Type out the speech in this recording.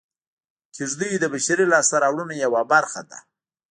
کېږدۍ د بشري لاسته راوړنو یوه برخه ده